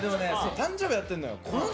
誕生日は合ってんのよ。